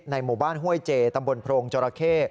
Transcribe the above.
หมู่บ้านห้วยเจตำบลโพรงจราเข้